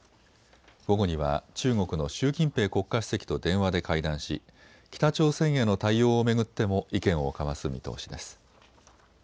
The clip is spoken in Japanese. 午後には中国の習近平国家主席と電話で会談し北朝鮮への対応を巡っても意見を交わす見通しです。